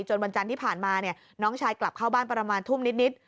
วันจันทร์ที่ผ่านมาน้องชายกลับเข้าบ้านประมาณทุ่มนิด